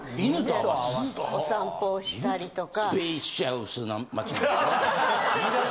お散歩をしたりとか。